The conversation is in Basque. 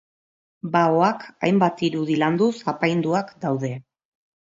Baoak hainbat irudi landuz apainduak daude.